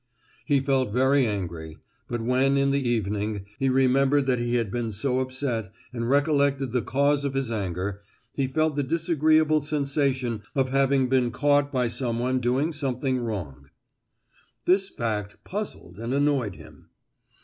He felt very angry; but when, in the evening, he remembered that he had been so upset, and recollected the cause of his anger, he felt the disagreeable sensation of having been caught by someone doing something wrong. This fact puzzled and annoyed him.